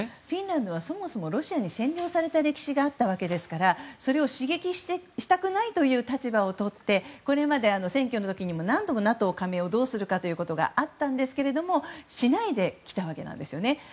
フィンランドはそもそもロシアに占領された歴史があったわけですからそれを刺激したくないという立場をとってこれまで選挙の時にも何度もＮＡＴＯ加盟をどうするかということがあったんですがしないで来たわけですね。